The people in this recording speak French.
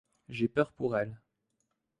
J’ai peur pour elle.